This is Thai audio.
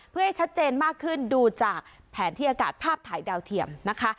เพื่อให้ชัดเจนมากขึ้นดูจากแผนที่อากาศภาพถ่ายดาวเทียมนะคะ